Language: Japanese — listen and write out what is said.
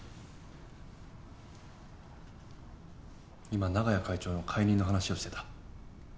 今長屋会長の解任の話をしてた。